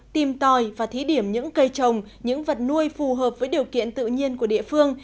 tìm tòi và thí điểm những cây trồng những vật nuôi phù hợp với điều kiện tự nhiên của địa phương